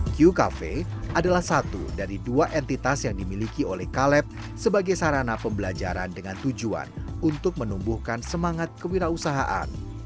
q cafe adalah satu dari dua entitas yang dimiliki oleh caleb sebagai sarana pembelajaran dengan tujuan untuk menumbuhkan semangat kewirausahaan